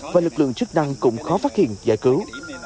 và lực lượng chức năng cũng khó phát hiện giải cứu